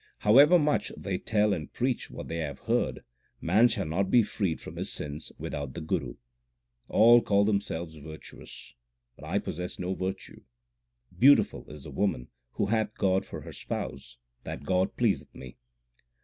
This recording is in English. However much they tell and preach what they have heard, man shall not be freed from his sins without the Guru. All call themselves virtuous, but I possess no virtue. Beautiful is the woman who hath God for her Spouse ; that God pleaseth me.